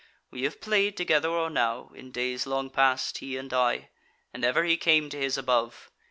We have played together or now, in days long past, he and I; and ever he came to his above.